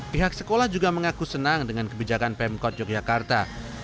pihak sekolah juga mengaku senang dengan kebijakan pemkot yogyakarta